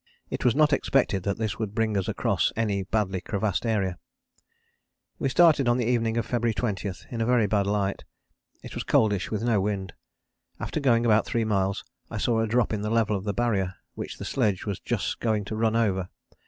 It was not expected that this would bring us across any badly crevassed area. We started on the evening of February 20 in a very bad light. It was coldish, with no wind. After going about three miles I saw a drop in the level of the Barrier which the sledge was just going to run over.